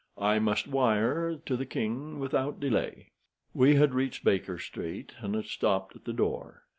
I must wire to the king without delay." We had reached Baker Street, and had stopped at the door.